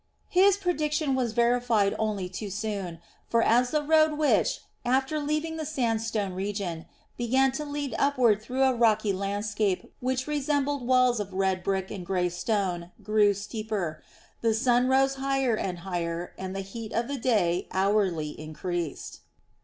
His prediction was verified only too soon; for as the road which, after leaving the sandstone region, began to lead upward through a rocky landscape which resembled walls of red brick and grey stone, grew steeper, the sun rose higher and higher and the heat of the day hourly increased.